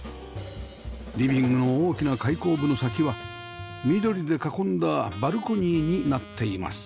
リビングの大きな開口部の先は緑で囲んだバルコニーになっています